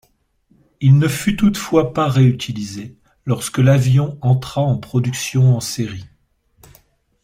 Il ne fut toutefois pas réutilisé lorsque l'avion entra en production en série.